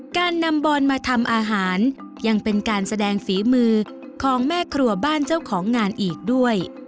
การนำบอนมาทำอาหารยังเป็นการแสดงฝีมือของแม่ครัวบ้านเจ้าของงานอีกด้วย